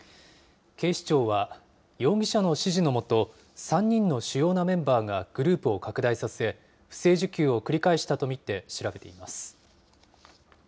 警視庁は、容疑者の指示の下、３人の主要なメンバーがグループを拡大させ、不正受給を繰り返したと見て調べています。